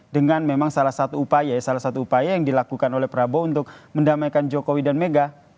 dengan memang salah satu upaya yang dilakukan oleh prabowo untuk mendamaikan jokowi dan mega